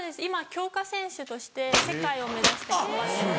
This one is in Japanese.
今強化選手として世界を目指して頑張ってます。